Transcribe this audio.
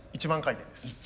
１万回転です。